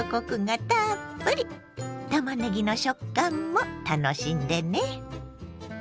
たまねぎの食感も楽しんでね。